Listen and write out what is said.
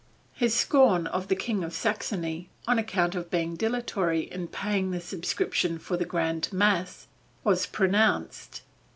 His scorn of the King of Saxony, on account of being dilatory in paying the subscription for the Grand Mass, was pronounced.